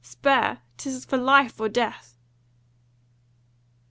Spur! 'tis for life or death!"